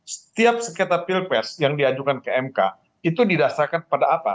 setiap sengketa pilpres yang diajukan ke mk itu didasarkan pada apa